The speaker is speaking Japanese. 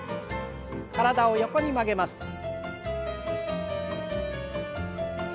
体を横に曲げます。